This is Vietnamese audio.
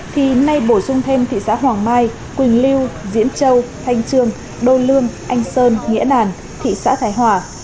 thì nay bổ sung thêm thị xã hoàng mai quỳnh lưu diễn châu thanh trương đô lương anh sơn nghĩa đàn thị xã thái hòa